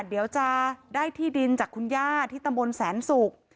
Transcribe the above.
เดี๋ยวจะได้ที่ดินจากคุณญาติที่ตะมนต์แสนสุก